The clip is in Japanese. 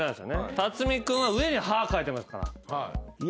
辰巳君は上に「は」書いてますから。